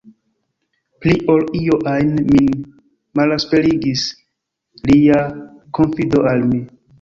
Pli ol io ajn, min malesperigis lia konfido al mi.